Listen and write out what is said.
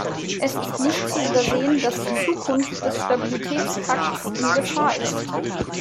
Es ist nicht zu übersehen, dass Zukunft des Stabilitätspakts in Gefahr ist.